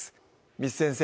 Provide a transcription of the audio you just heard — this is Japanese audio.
簾先生